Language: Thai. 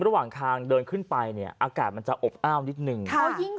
ระหว่างทางเดินขึ้นไปเนี่ยอากาศมันจะอบอ้าวนิดนึง